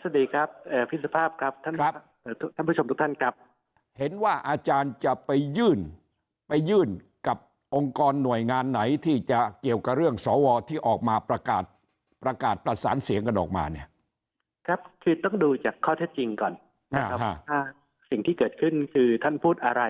สวัสดีครับพิษภาพครับท่านผู้ชมทุกท่านครับเห็นว่าอาจารย์จะไปยื่นไปยื่นกับองค์กรหน่วยงานไหนที่จะเกี่ยวกับเรื่องสวที่ออกมาประกาศประกาศประสานเสียงกันออกมาเนี่ยครับคือต้องดูจากข้อแท้จริงก่อนสิ่งที่เกิดขึ้นคือท่านพูดอะไร